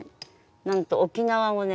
なんと沖縄をね